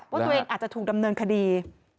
ว่าตัวเองอาจจะถูกดำเนินคดี